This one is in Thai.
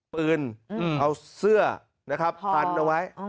ปืนเอาเสื้อนะครับพันเอาไว้